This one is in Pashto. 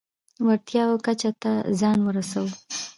وړتیاوو کچه ته ځان ورسوو.